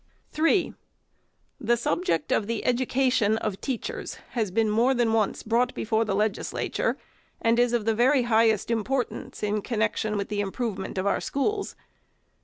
3. The subject of the education of teachers has been more than once brought before the Legislature, and is of the very highest importance in connection with the im provement of our schools.